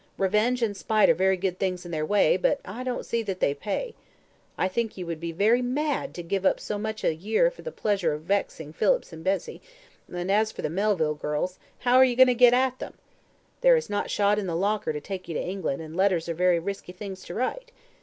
Revenge and spite are very good things in their way, but I don't see that they pay. I think you would be very mad to give up so much a year for the pleasure of vexing Phillips and Betsy; and as for the Melville girls, how are you to get at them? There is not shot in the locker to take you to England, and letters are very risky things to write.